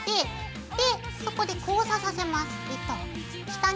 でそこで交差させます糸を。